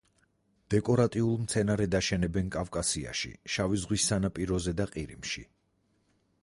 დეკორატიულ მცენარედ აშენებენ კავკასიაში შავი ზღვის სანაპიროზე და ყირიმში.